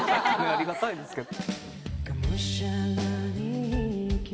ありがたいですけど。